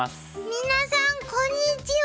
皆さんこんにちは。